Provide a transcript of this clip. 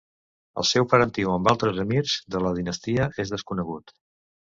El seu parentiu amb altres emirs de la dinastia és desconegut.